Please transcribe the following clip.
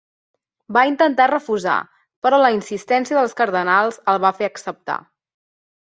Va intentar refusar, però la insistència dels cardenals el va fer acceptar.